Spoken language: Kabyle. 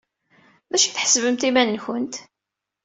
D acu ay tḥesbemt iman-nwent?